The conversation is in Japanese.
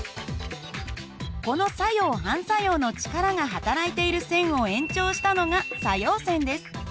この作用・反作用の力がはたらいている線を延長したのが作用線です。